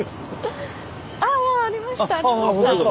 あ！ありましたありました。